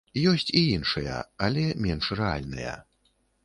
Ёсць і іншыя, але менш рэальныя.